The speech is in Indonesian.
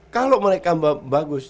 kalau mereka bagus